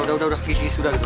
udah udah visi sudah gitu